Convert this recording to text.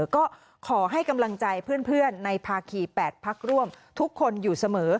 ก็ขอให้กำลังใจเพื่อนในภาคี๘พักร่วมทุกคนอยู่เสมอ